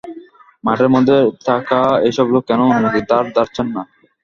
মাঠের মধ্যে দাঁড়িয়ে থাকা এসব লোক কোনো অনুমতির ধার ধারছেন না।